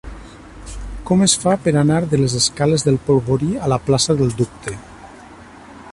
Com es fa per anar de les escales del Polvorí a la plaça del Dubte?